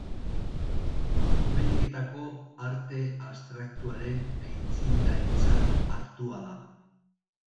Ameriketako arte abstraktuaren aitzindaritzat hartua da.